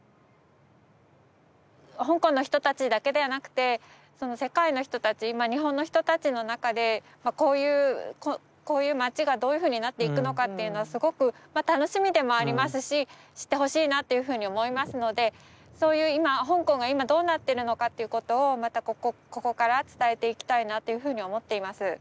香港の人たちだけではなくてその世界の人たちまあ日本の人たちの中でこういうこういう街がどういうふうになっていくのかっていうのはすごくまあ楽しみでもありますし知ってほしいなというふうに思いますのでそういう香港が今どうなってるのかということをまたここから伝えていきたいなというふうに思っています。